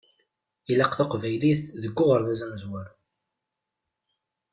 Ilaq taqbaylit deg uɣerbaz amezwaru.